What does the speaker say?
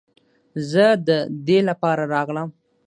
زه د دې لپاره راغلم.